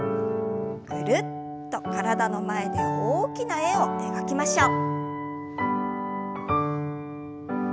ぐるっと体の前で大きな円を描きましょう。